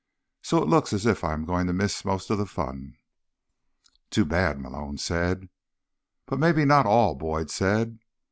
So it looks as if I'm going to miss most of the fun." "Too bad," Malone said. "But maybe not all," Boyd said.